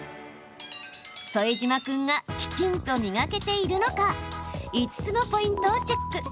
副島君がきちんと磨けているのか５つのポイントをチェック。